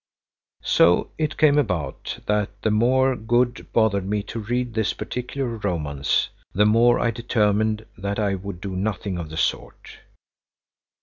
So it came about that the more Good bothered me to read this particular romance, the more I determined that I would do nothing of the sort.